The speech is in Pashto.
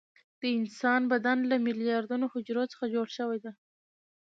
د انسان بدن له میلیاردونو حجرو څخه جوړ شوى ده.